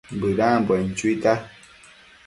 Bëdambuen chuita